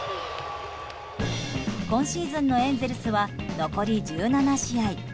今シーズンのエンゼルスは残り１７試合。